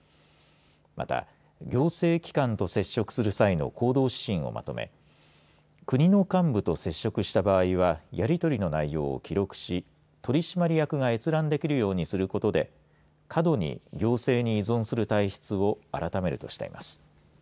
また、行政機関と接触する際の行動指針をまとめ国の幹部と接触した場合はやり取りの内容を記録し取締役が閲覧できるようにすることで過度に行政に依存する体質を改めるとしています。